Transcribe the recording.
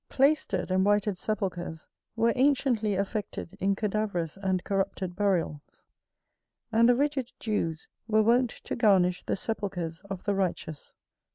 PLAISTERED and whited sepulchres were anciently affected in cadaverous and corrupted burials; and the rigid Jews were wont to garnish the sepulchres of the righteous.